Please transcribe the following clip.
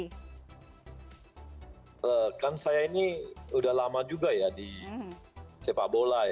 apa yang anda lakukan untuk menjaga kemampuan bung joy